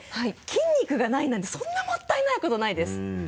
筋肉がないなんてそんなもったいないことないです。